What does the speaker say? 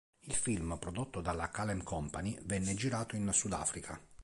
Il film, prodotto dalla Kalem Company, venne girato in Sudafrica.